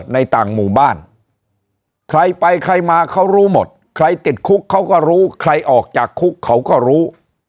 ในต่างหมู่บ้านใครไปใครมาเขารู้หมดใครติดคุกเขาก็รู้ใครออกจากคุกเขาก็รู้